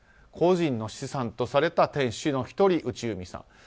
個人の資産とされた店主の１人内海さん。